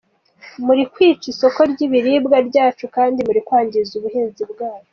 Muri kwica isoko ry’ibiribwa ryacu, ikindi muri kwangiza ubuhinzi bwacu.